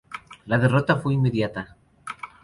La derrota fue inmediata.